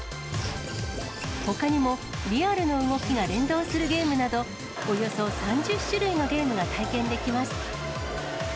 ほかにもリアルな動きが連動するゲームなど、およそ３０種類のゲームが体験できます。